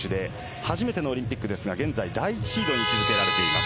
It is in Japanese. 初めてオリンピックですが現在第１シードに位置付けられています。